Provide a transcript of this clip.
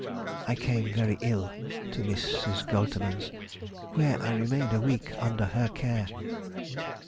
I came very ill to Mrs. Goltermann's, where I remained a week under her care.